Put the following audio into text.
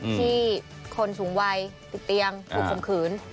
ที่คนสูงวัยติดเตียงถูกคมขืน